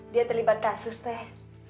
dia terlibat kasus teh